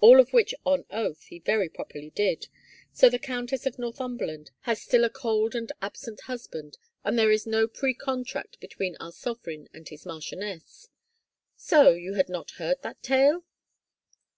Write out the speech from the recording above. All of which on oath he very properly did, so the Countess of Northumberland has still a cold and absent husband and there is no precontract between our sovereign and his marchioness. ... So you had not heard that tale